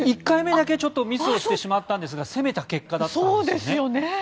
１回目だけちょっとミスをしてしまったんですが攻めた結果だったんですよね。